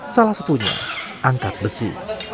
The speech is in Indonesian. salah satunya angkat besi